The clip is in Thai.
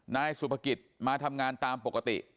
นายสุภกิจมาทำงานตามปกติ